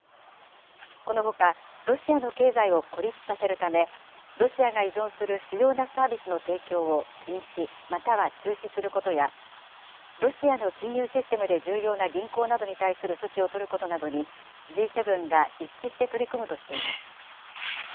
このほか、ロシアの経済を孤立させるため、ロシアが依存する主要なサービスの提供を禁止、または中止することや、ロシアの金融システムで重要な銀行などに対する措置を取ることなどに、Ｇ７が一致して取り組むとしています。